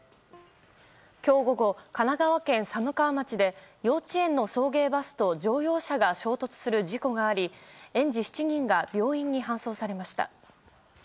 今日午後、神奈川県寒川町で幼稚園の送迎バスと乗用車が衝突する事故があり園児７人が病院に搬送されました。